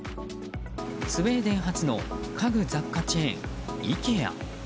スウェーデン発の家具・雑貨チェーン、イケア。